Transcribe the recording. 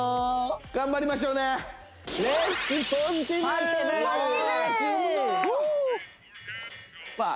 頑張りましょうねフさあ